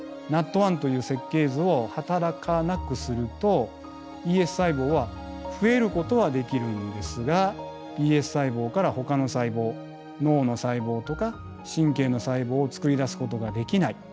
ＮＡＴ１という設計図を働かなくするとＥＳ細胞は増えることはできるんですがＥＳ細胞からほかの細胞脳の細胞とか神経の細胞をつくり出すことができない。